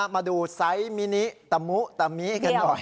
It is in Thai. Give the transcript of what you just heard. มาดูไซมินิตะมุตะมี